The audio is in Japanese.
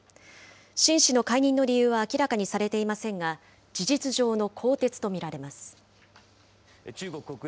秦氏の解任の理由は明らかにされていませんが、事実上の更迭と見られます。